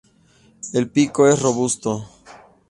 El pico es robusto.